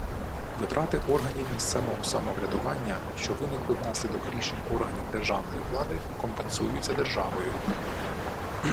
Витрати органів місцевого самоврядування, що виникли внаслідок рішень органів державної влади, компенсуються державою